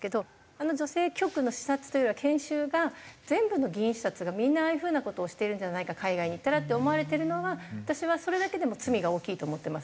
あの女性局の視察というよりは研修が全部の議員視察がみんなああいう風な事をしているんじゃないか海外に行ったらって思われてるのは私はそれだけでも罪が大きいと思ってます